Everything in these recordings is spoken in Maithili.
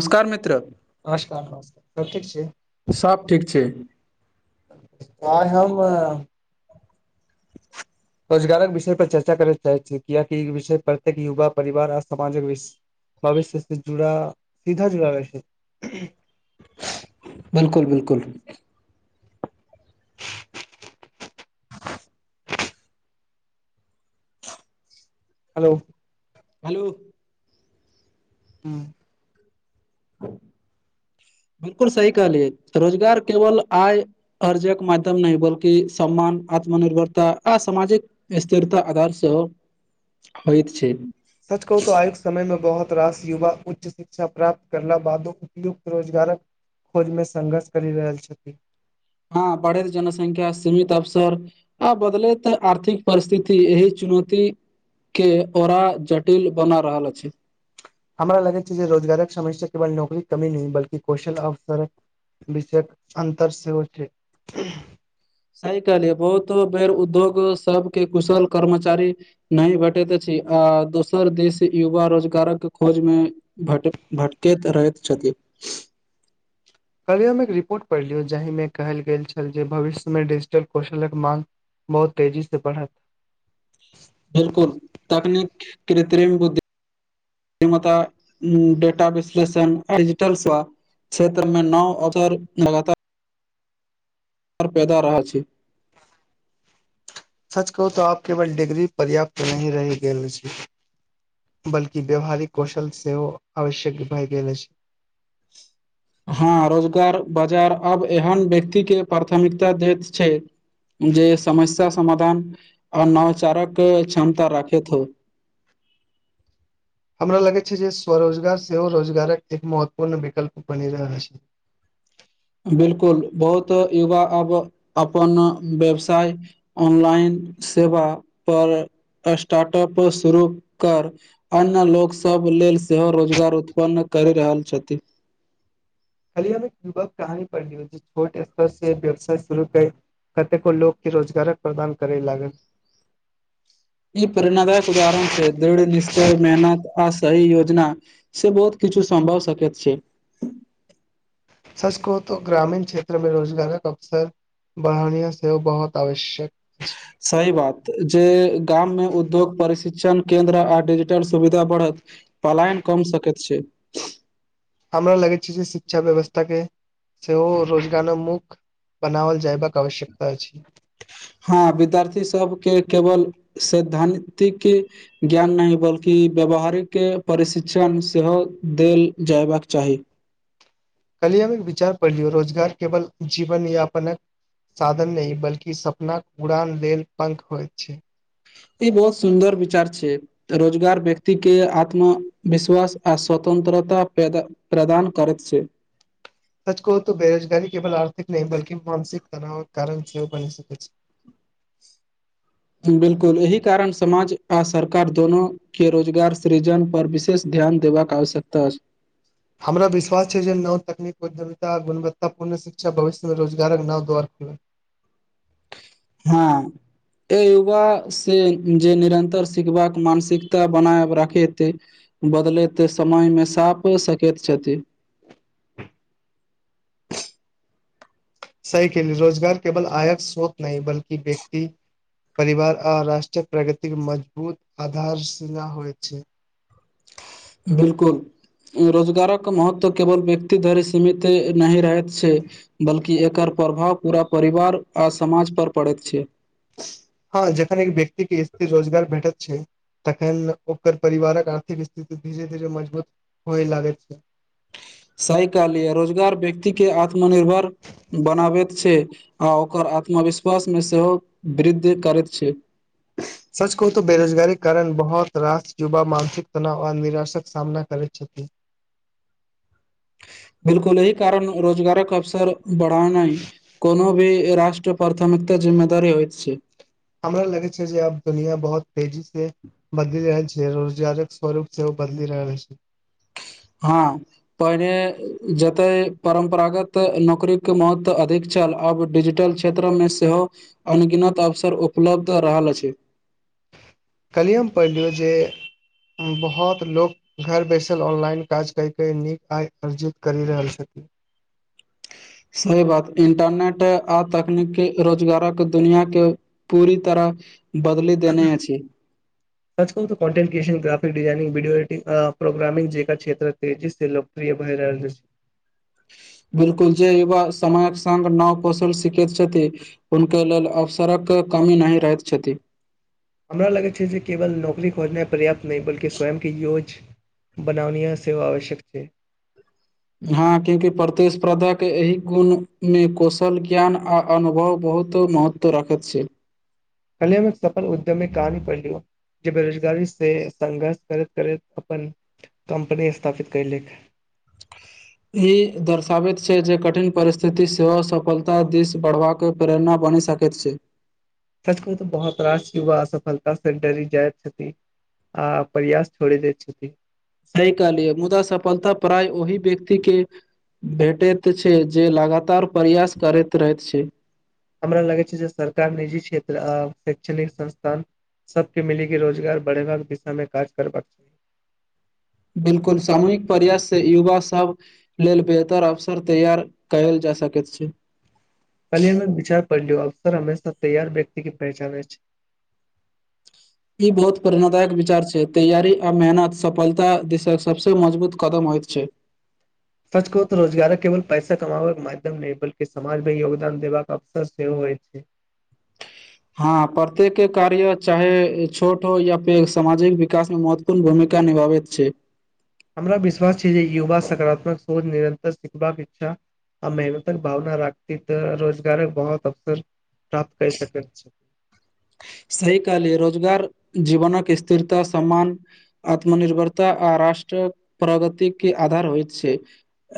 नमस्कार मित्र। नमस्कार-नमस्कार सब ठीक छी? सब ठीक छै। आय हम रोजगारक विषय पर चर्चा करय चाहे छी कियाकि ई विषय प्रत्येक युवा परिवार आर समाजक विष भविष्य से जुड़ा, सीधा जुड़ा रहय छै। बिल्कुल-बिल्कुल। हेलो। हेलो। हुँ। बिल्कुल सही कहलिए रोजगार केवल आय अर्जक मध्यम नहि बल्कि सम्मान, आत्मनिर्भरता आ सामाजिक स्थिरता आधार सेहो होइत छै। सच कहूतो आयुक समय मे बहोत रास युवा उच्च शिक्षा प्राप्त करला बादो उपयुक्त रोजगारक खोजमे संघर्ष करि रहल छथिन। हाँ, बढ़ेल जनसंख्या, सीमित अवसर। आब बदलै तऽ आर्थिक परिस्थिति, एहि चुनौती के कोरा जटिल बना रहल अछि। हमरा लगै छै जे रोजगारक समस्या केवल नौकरीक कमी नहि, बल्कि कोशल अवसर विषयक अन्तर सेहो छै। सही कहलियै बहुतो बेर उद्योग सभके, कुशल कर्मचारी नइ भेटैत छी, आ दोसर देश युवा रोजगारक खोजमे भट भटकैत रहैत छथि। काइल हम एक रिपोर्ट पढ़लिए, जाहिमे कहल गेल छल जे भविष्यमे डिजिटल कौशलक मांग बहुत तेजी से पढ़त। बिलकुल तकनीक, किरित्रिम बुद्धि डिमता, उं-उं, डेटा विश्लेषण, जिडिटल स्वा क्षेत्रमे नाव अगर लगातार पर पेदा रहऽ छि। सच कहूँ तऽ आब केवल डीग्री पर्याप्त नहि रहि गेल छै। बल्कि व्यावहारिक कौशल सेहो आवश्यक भए गेल अछि। हाँ, रोजगार बाजार आब एहन व्यक्ति के पारथमिकता दैत छै। जे समस्या समाधान, आ नवचारक क्षमता राखैत होय। हमरा लगे छै जे, स्वरोजगार सेहो रोजगारक एक महत्वपूर्ण विकल्प बनि रहल छै। बिलकुल, बहुत युवा, अब अपन व्यवसाय ऑनलाइन सेवा पर, स्टाटप शुरू कर अन्य लोकसभ लेल, सेहो रोजगार उत्पन्न करि रहल छथि। काली हम एक, युवक कहानी पढ़लिए। छोट स्तर से व्यवसाय शुरू कए, कतेको लोक के रोजगारो प्रदान करे लागल। ई प्रेरणादायक उदाहरण छै, दृढ़ निश्चय, मेहनत, आ सही योजना से बहुत किछु सँ, भऽ सकैत छै। सच कहो तो ग्रामीण क्षेत्रमे रोजगारक अवसर बहरिया सेहो बहुत आवश्यक। अछि सही बात, जे गाममे उद्योग प्रशिक्षण केन्द्र, आ डिजिटल सुविधा बढ़त पलायन कम सकैत छै। हमरा लगै छै जे शिक्षा व्यवस्था के सेहो रोजगारोन्मुख बनावल जायबाक आवश्यकता अछि। हँ विद्यार्थी सभ, के केवल सैद्धान्ति की ज्ञान नहि, बल्कि व्यावहारिक के प्रशिक्षण सेहो देल जयबाक चाही। कलीयामीक विचार पढ़लियौ, रोजगार, केवल जीवन यापनक साधन नहि बल्कि सपनाक उड़ान लेल, पंख होइत छै। ई बहुत सुन्दर विचार छै। रोजगार व्यक्ति के आत्म-विश्वास, आ स्वतन्त्रता पेदा प्रदान करैत छै। सच कहो तो बेरोजगारी केवल आर्थिक नहि, बल्की मानसिक तनाव के कारण सेहो भए सकै छै। बिलकुल एहि कारण, समाज आ सरकार दोनो के रोजगार सृजन, पर विशेष ध्यान देबाक आवश्यकता अछि। हमरा विश्वास छै जे नव तकनीक, उद्यमिता, गुणवत्तापूर्ण शिक्षा भविष्यमे रोजगारक नव द्वार हँ। ए युवा से जे निरंतर सिखबाक मानसिकता बनायब राखेते बदलैत समयमे साप सकैत छथि। सही केली रोजगार केवल आयक श्रोत नहि बल्कि व्यक्ति परिवार आ राष्ट्रीय प्रगति के मजबूत आधार सिला होइत छै। बिलकुल रोजगारक महत्व केवल व्यक्ति धरि सीमित नहि रहैत छै। बल्कि एकर प्रभाव पूरा परिवार, आ समाज पर पड़ैत छै। हँ जखन एक व्यक्ति के स्थिर रोजगार भेटत छै तखन ओकर परिवारक आर्थिक स्थिति धीरे-धीरे मजबूत होय लागैत सही कहलि य रोजगार व्यक्ति के आत्मनिर्भर बनाबैत छै, आ ओकर आत्मविश्वास मे सेहो वृद्धि करैत छै। सच कहु तो बेरोजगारी कारण, बहुत रास युवा मानसिक तनाव आ निराशक सामना करैत छथि। बिलकुल एहि कारण रोजगारक अवसर बढ़ा नहि कोनो भी राष्ट्र प्राथमिकता जिम्मेदारी होइत छै। हमरा लगै छै जे, अब दुनिया बहुत तेजी से बदलि रहल छि जे रोजगारक स्वरूप सेहो बदलि रहल अइछ। हां पहिने जतय परम्परागत नौकरी के महत्व अधिक छल, अब डिजिटल छे तेत्र मे सेहो अनगिनत अवसर उपलब्ध रहल अछि। कलिये हम पढ़िलियौ जे बहुत लोक घर बैसल ऑनलाइन काज कय-कय नीक आय अर्जित करि रहल छथि। सही बात इंटरनेट आ तकनीकी रोजगारक दुनिया के पूरी तरह बदलि देने अछि। सच कहु त कॉटेनक्रियेशन, ग्राफिकडिाइनिंग, वीडियो एडिंग, आ प्रोग्रामिंग जेकां क्षेत्र के जीस दिन लोक प्रिये भय रहल अछि। बिलकुल जे युवा समयक संग नाव-कौशल सीखैत छथि। हुनक्यों लल अवसरक कमी नहि रहैत छथि। हमरा लगै छै जे केवल नौकरी खोजनाइ पर्याप्त नहि, बल्कि स्वयंके योज बनावनीयं सेहो आवश्यक छै। हँ में योकि प्रतिस्पर्धाके, एहि गुणमे कौशल ज्ञान आ अनुभव बहुतो महत् त्व राखैत छै। खाली अयमे एक सफल उद्यमी कहानी पढ़िलियौ। जे बेरोजगारी से संघर्ष करैत-करैत, अपन कम्पनी स्थापित कैलेक। ई दर्शाबैत छै, जे कठिन परिस्थिति सेहो सफलता दिश बढ़बाक के प्रेरणा बनि सकैत छै। सच कहु तऽ बहुत रास युवा असफलता से डरी जाइत छथि। आ प्रयास छोड़े दै छथि। सही कहलि य, मुदा सफलता प्राय ओहि व्यक्ति के भेटै त छै, जे लगातार प्रयास करैत रहैत छै। हमरा लागै छै जे, सरकार निजी क्षेत्र आ शैक्षणिक संस्थान सबके मिलि के रोजगार बढ़ेबाक दिशा में काज करबाक चाहि। बिलकुल सामूहिक प्रयास से युवा सब लेल बेहतर अवसर तैयार कयल जा सकैत छै। खाली अय मे विचार पढ़लियौ, अवसर हमेशा तैयार व्यक्ति के पहचाने छै। ई बहुत प्रेरणादायक विचार छै, तैयारी आ मेहनत सफलता दिस सबसे मजबूत कदम होइत छै। सच कहुं तऽ रोजगार केवल पैसा कमाबै के माध्यम नहि, बल्कि समाज में योगदान देबाक अवसर सेहो होइ छै। हँ प्रत्येक के कार्य चाहे छोट हो या पेघ, सामाजिक विकास में महत्व पूर्ण भूमिका निभाबैत छै। हमरा विश्वास छै जे, युवा सकारात्मक सोच निरन्तर सिखबाक इच्छा आ मेहनतक भावना राखति, रोजगारक बहुत अवसर प्राप्त कर सकैत छी। सही कहलिये, रोजगार जीवनक स्थिरता सम्मान आत्मनिर्भरता आ राष्ट्र प्रगति के आधार होइत छै।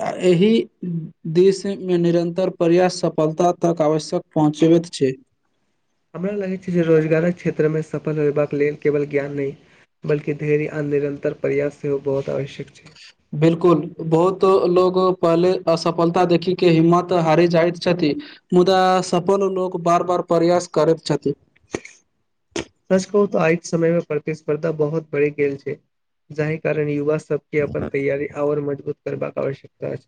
आ एहि दिशमे निरन्तर प्र्यास सफलता तक आवश्यक पहुँचेबैत छै। हमरा लगैत छै, जे रोजगारक क्षेत्रमें सफल होयबाक लेल केवल ज्ञान नहि बल्कि धैर्य आ निरन्तर प्रयास सेहो बहुत आवश्यक छै। बिल्कुल, बहुत लोग पहले असफलता देखी के हिम्मत हारी जाइत छथि। मुदा सफल लोक बार- बार प्रयास करैत छथि। सच कहूऽ तऽ आइके समय मे प्रतिस्पर्धा बहुत बढ़ि गेल छै, जाहि कारण युवा सबके अपन तैयारी आओर मजबूत करबाक आवश्यकता अछि।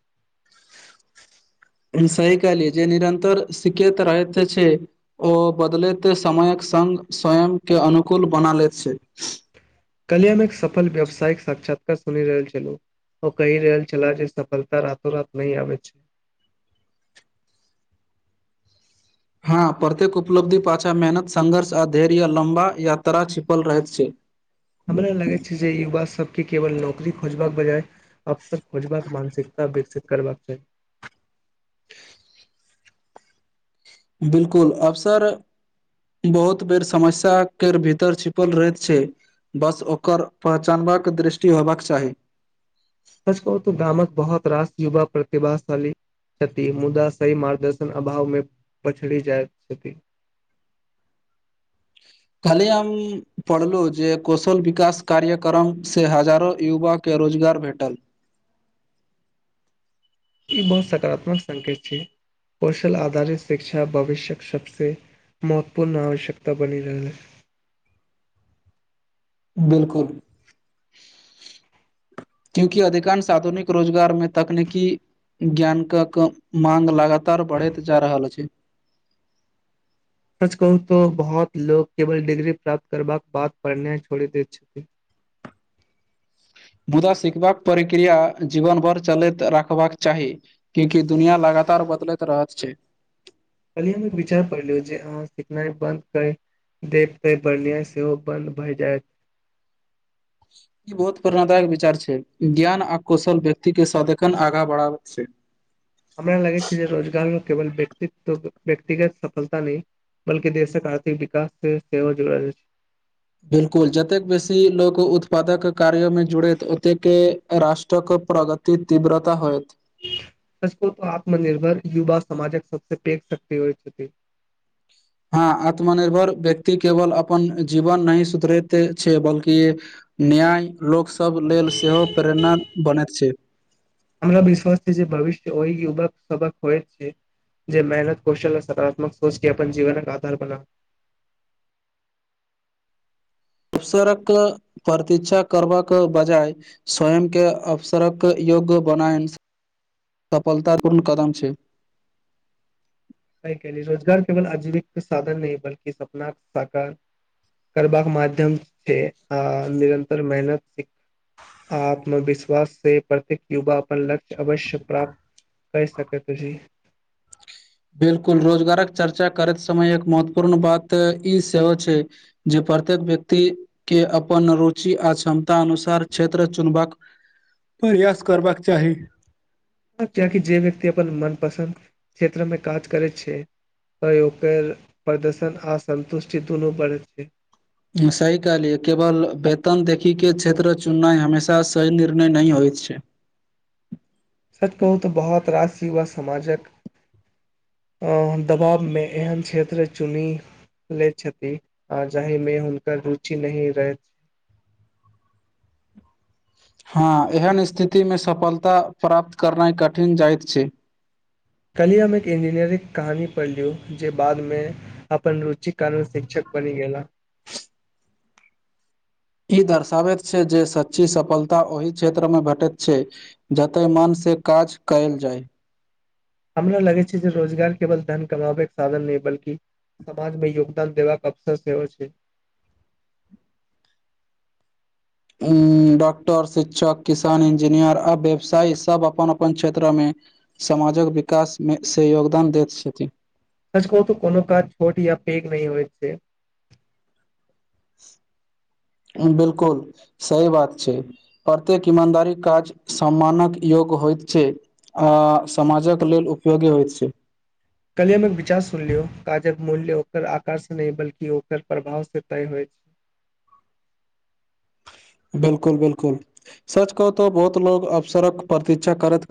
सही कहलियै, जे निरन्तर सिखैत रहैत छै ओ बदलैत समयक सङ्ग स्वयं के अनुकूल बना लैत छै। कल्याणक सफल व्यावसायिक साक्षात्कार सुनि रहल छलहु। ओ कहि रहल छला, जे सफलता रातो- रात नहि आबै छै। हँ प्रत्येक उपलब्धि पाछा मेहनत संघर्ष आ धैर्या लम्बा यात्रा छिपल रहैत छै। हमरा लगै छै जे, युवा सबके केवल नौकरी खोजबाक बजाय अवसर खोजबाक मानसिकता विकसित करबाक चाही। बिल्कुल अवसर बहुत बेर समस्या के भीतर छिपल रहैत छै। बस ओकर पहचानबाक दृष्टि होयबाक चाही। सच कहु तऽ गामक बहुत रास युवा प्रतिभाशाली छथि। मुदा सही मार्गदर्शन अभाव मे पछड़ी जायत छथि। खाली हम पढ़लहु जे कौशल विकास कार्यक्रम से हजारो युवक के रोजगार भेटल। ई बहुत सकारात्मक संकेत छै, कौशल आधारित शिक्षा भविष्यक सबसे महत्वपूर्ण आवश्यकता बनी रहलै। बिल्कुल। क्युकि अधिकांश आधुनिक रोजगार मे तकनीकी ज्ञान कऽ के मांग लगातार बढ़ैत जा रहल अछि। सच कहू तो बहुत लोग केवल डिग्री प्राप्त करबाक बाद पढ़नाई छोड़ि दैत छथिन। मुदा सिखबाक प्रक्रिया जीवन भर चलैत राखबाक चाही। क्योंकि दुनिया लगातार बदलैत रहत छै। कल्हि हम एक विचार पढलियों जे, अहाँ सिखनाइ बन्द कर देब, केँ पढ़नाई सेहो बंद भय जायत। ई बहुत प्रेरणादायक विचार छै, ज्ञान आ कौशल व्यक्ति के सदिखण आगां बढ़ाबै छै। हमरा लगे छै जे रोजगार केवल, व्यक्त्व- व्यक्तिगत सफलता न बल्कि देशक आर्थिक विकास से सेहो जुड़ल अइछ। बिलकुल जतेक बेसी लोक उत्पादक कार्यमे जुरैत ओतेके राष्ट्रक प्रग ति तीव्रता होयत। [inaudible] सच कहु त आत्मनिर्भर युवा, समाजक सबसं पैघ शक्ति होइ छथिन। हँ आत्मनिर्भर व्यक्ति केबल अपन जीवन नहि सुधरैत छै बल्कि न्याय लोक सब लेल सेहो प्रेरणा बनैत छै। हमरा विश्वास ऐ जे भविष्य ओहि युवक सभक होइत छै। जे मेहनत कौशल आ सकारात्मक सोच के अपन जीवनक आधार बना अबसरक प्रतीक्षा करबाक बजाय स्वयंके अबसरक योग्य बनाइनस [inaudible] सफलतापूर्ण कदम छै। सही कहलिअइ रोजगार केबल आजीविक साधन नै बल्कि सपनाक साकार करबाक माध्यम छै आ निरन्तर मेहनत से आत्मविश्वास से प्रत्येक युवा अपन लक्ष्य अवश्य प्राप्त कै सकैत अछी। बिलकुल रोजगारक चर्चा करैत समयक महत्वपूर्ण बात ई सेहो छै। जे प्रत्येक व्यक्ति के अपन रुचि आ क्षमता अनुसार क्षेत्र चुनबाक प्रयास करबाक चाही। किएकि जे व्यक्ति अपन मनपसन्द क्षेत्रमे काज करैत छै त ओकर प्रदर्शन आ सन्तुष्टि दुनू बढ़ैत छै। सही कहलियै, केवल वेतन देखीके क्षेत्र चुननाइ हमेशा सही निर्णय नही होइत छै। सच कहू त बहुत रास युवा समाजक हं हम दबाबमे एहन क्षेत्र चुनी लै छथी आ जाहीमे हुनकर रुचि नही रहैन। हँ एहन स्थितिमे सफलता प्राप्त करनाइ कठिन जाइत छै। काल्हिये हम एक इंजीनियरिंग कहानी पढ़लियौ जे बादमे अपन रुचि के कारण शिक्षक बनी गेला। ई दर्शाबैत छै जे सच्ची सफलता ओही क्षेत्र में भेटैत छै। जतय मनसं काज कयल जाइ। हमरा लगै छै जे रोजगार केबल धन कमाबैके साधन नै बल्कि समाजमे योगदान देबाक अवसर सेहो छै। ई डॉक्टर, शिक्षक, किसान, इंजीनियर आ व्यवसायी सब अपन अपन क्षेत्र में समाजक विकास में से योगदान दैत छथिन। सच कहु त कोनो काज छोट या पेग नै होइ छै। हं बिलकुल सही बात छै। प्रत्येक ईमानदारी काज सम्मानक योग्य होइत छै। आ समाजक लेल उपयोगी होइत छै। काल्हि हम एक विचार सुनलियो काजक कनी हमर विचार सुनि लिऔ, काजकक मूल्य ओकर आकार से नै बल्कि ओकर प्रभाव सं तय होइत बिलकुल-बिलकुल, सच कहू त बहुत लोग अवसरक प्रतीक्षा करत